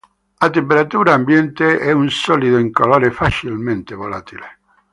A temperatura ambiente è un solido incolore facilmente volatile.